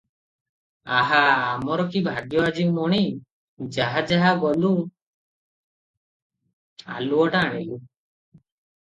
ଆହା, ଆମର କି ଭାଗ୍ୟ ଆଜି ମଣି! ଯା, ଯା, ଗଲୁ ଆଲୁଅଟା ଆଣିଲୁ ।